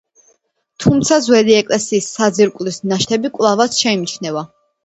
თუმცა, ძველი ეკლესიის საძირკვლის ნაშთები კვლავაც შეიმჩნევა.